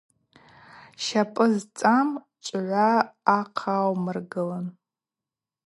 Щапӏы зцӏам чӏвгӏва ахъаумыргылын.